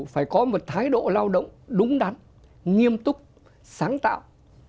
phải có một thái độ lao động đúng đắn nghiêm túc sáng tạo